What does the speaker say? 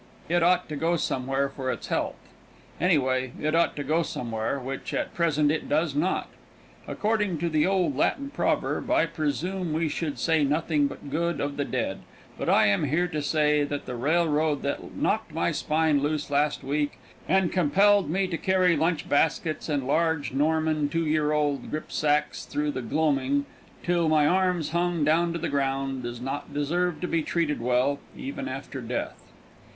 It ought to go somewhere for its health. Anyway, it ought to go somewhere, which at present it does not. According to the old Latin proverb, I presume we should say nothing but good of the dead, but I am here to say that the railroad that knocked my spine loose last week, and compelled me to carry lunch baskets and large Norman two year old gripsacks through the gloaming, till my arms hung down to the ground, does not deserve to be treated well, even after death.